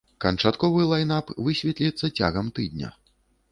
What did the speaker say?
Канчатковы лайнап высветліцца цягам тыдня.